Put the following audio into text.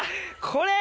これ！